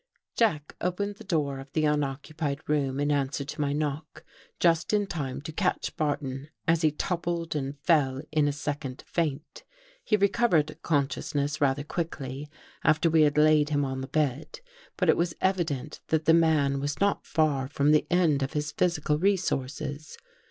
Jack opened the door of the unoccupied room in answer to my knock just In time to catch Barton as he toppled and fell In a second faint. He recov ered consciousness rather quickly after we had laid him on the bed, but It was evident that the man was not far from the end of his physical resources.